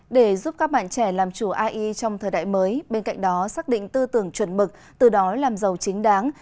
để giúp các bạn trẻ làm chủ ai trong thời đại mới bên cạnh đó xác định tư tưởng chuẩn mực từ đó làm giàu chính đáng